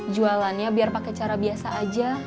jualannya biar pakai cara biasa aja